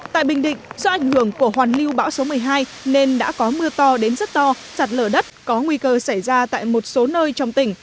tại bình định do ảnh hưởng của hoàn lưu bão số một mươi hai nên đã có mưa to đến rất to sạt lở đất có nguy cơ xảy ra tại một số nơi trong tỉnh